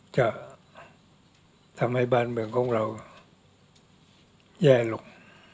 จะทำให้บ้านเมืองของเราแย่ลง